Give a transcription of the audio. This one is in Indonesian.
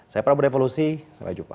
saya prabu revolusi sampai jumpa